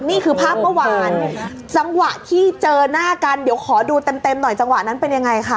นี่คือภาพเมื่อวานจังหวะที่เจอหน้ากันเดี๋ยวขอดูเต็มเต็มหน่อยจังหวะนั้นเป็นยังไงคะ